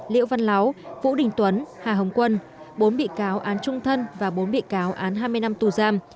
liễu văn láo vũ đình tuấn hà hồng quân bốn bị cáo án trung thân và bốn bị cáo án hai mươi năm tù giam